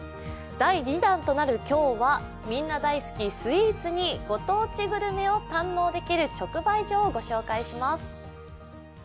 第２弾となる今日は、みんな大好きスイーツにご当地グルメを堪能できる直売所を御紹介します。